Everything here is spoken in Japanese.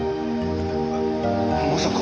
まさか。